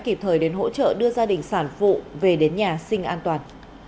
kịp thời đến hỗ trợ đưa gia đình sản phụ về đến nhà sinh an toàn